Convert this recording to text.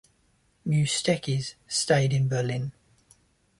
Musteikis stayed in Berlin.